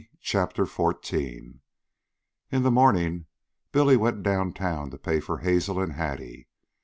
CHAPTER XIV In the morning Billy went down town to pay for Hazel and Hattie.